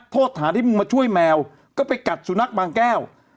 โทษฐานที่มึงมาช่วยแมวก็ไปกัดสุนัขบางแก้ว